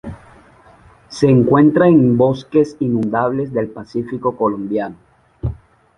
Se encuentra en bosques inundables del pacífico colombiano.